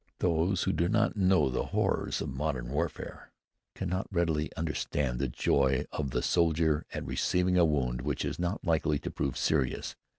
Those who do not know the horrors of modern warfare cannot readily understand the joy of the soldier at receiving a wound which is not likely to prove serious.